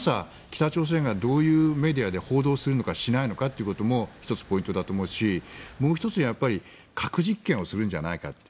北朝鮮がどういうメディアで報道するのかしないのかってことも１つポイントだと思うしもう１つ核実験をするんじゃないかと。